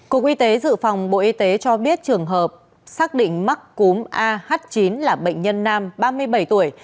cục y tế dự phòng bộ y tế cho biết trường hợp xác định mắc cúm ah chín là bệnh nhân nam ba mươi bảy tuổi